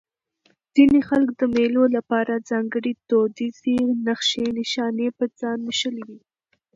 ځيني خلک د مېلو له پاره ځانګړي دودیزې نخښي نښانې پر ځان موښلوي.